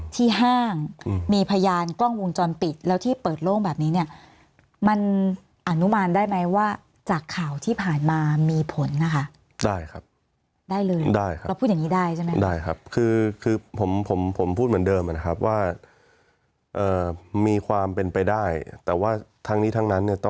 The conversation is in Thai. มีความรู้สึกว่ามีความรู้สึกว่ามีความรู้สึกว่ามีความรู้สึกว่ามีความรู้สึกว่ามีความรู้สึกว่ามีความรู้สึกว่ามีความรู้สึกว่ามีความรู้สึกว่ามีความรู้สึกว่ามีความรู้สึกว่ามีความรู้สึกว่ามีความรู้สึกว่ามีความรู้สึกว่ามีความรู้สึกว่ามีความรู้สึกว